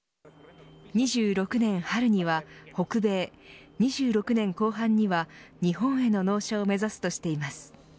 ２６年春には北米、２６年後半には日本への納車を目指すとしています。